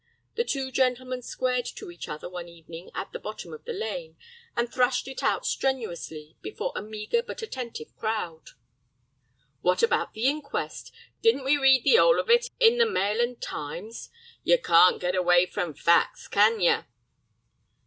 The two gentlemen squared to each other one evening at the bottom of the lane, and thrashed it out strenuously before a meagre but attentive crowd. "What about the inquest? Didn't we read the 'ole of it in the Mail and Times? Yer can't get away from facts, can yer?"